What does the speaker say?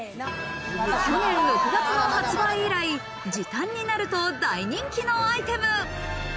去年６月の発売以来、時短になると大人気のアイテム。